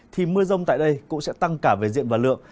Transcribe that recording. thì mưa rông tại đây cũng sẽ tăng cả về diện và lượng